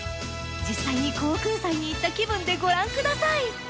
実際に航空祭に行った気分でご覧ください。